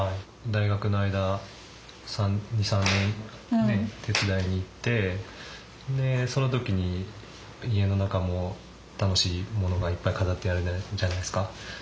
大学の間２３年ね手伝いに行ってその時に家の中も楽しいものがいっぱい飾ってあるじゃないですか。